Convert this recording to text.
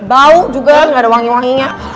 bau juga nggak ada wangi wanginya